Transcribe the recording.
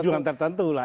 tujuan tertentu lah